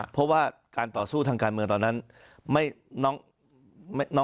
เพราะว่าการต่อสู้ทางการเมืองตอนนั้น